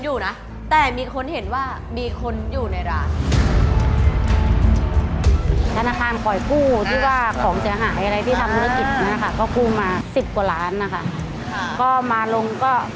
เศษถีป้ายแดง